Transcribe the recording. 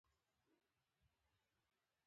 ایا زما مور او پلار به خوشحاله وي؟